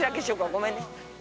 ごめんね。